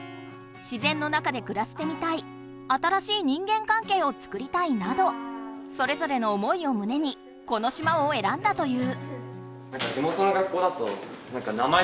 「自然のなかで暮らしてみたい」「新しい人間かんけいを作りたい」などそれぞれの思いをむねにこの島をえらんだという。